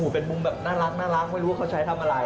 เป็นมุมแบบน่ารักไม่รู้ว่าเขาใช้ทำอะไร